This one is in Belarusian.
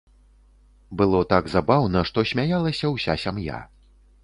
Было так забаўна, што смяялася ўся сям'я.